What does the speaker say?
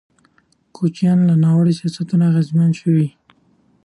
کوچیان له ناوړه سیاستونو اغېزمن شوي دي.